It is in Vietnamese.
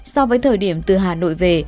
so với thời điểm từ hà nội về